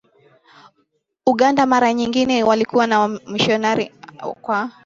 Uganda mara nyingine walikuwa ni Wamisionari kwa